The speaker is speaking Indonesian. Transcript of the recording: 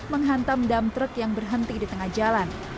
menghantam dam truk yang berhenti di tengah jalan